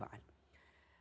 waalaikumsalam wr wb